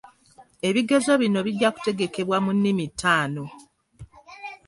Ebigezo bino bijja kutegekebwa mu nnimi taano.